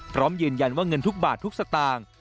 พร้อมยืนยันว่าเงินทุกบาททุกสตางค์